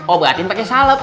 oh berarti pake salep